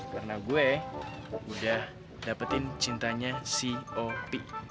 karena gue udah dapetin cintanya si hopi